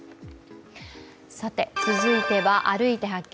続いては、「歩いて発見！